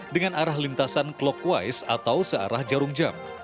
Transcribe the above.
dengan arah lintasan clockwise atau searah jarum jam